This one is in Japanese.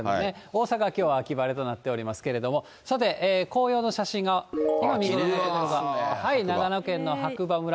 大阪はきょうは秋晴れとなってますけれども、さて、紅葉の写真が、今、見頃になっています、長野県の白馬村。